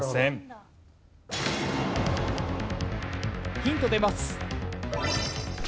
ヒント出ます。